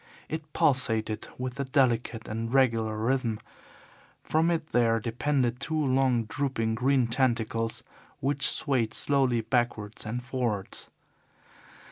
It pulsated with a delicate and regular rhythm. From it there depended two long, drooping, green tentacles, which swayed slowly backwards and forwards.